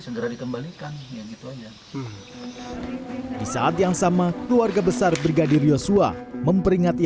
segera dikembalikan yang itu aja di saat yang sama keluarga besar brigadir yosua memperingati